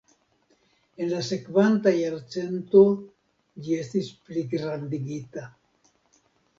En la sekvanta jarcento ĝi estis pligrandigita.